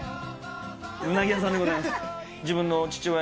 うなぎ屋さんでございます。